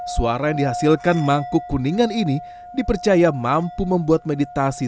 suara yang dihasilkan mangkuk kuningan ini dipercaya mampu membuat meditasi